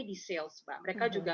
di sales mbak mereka juga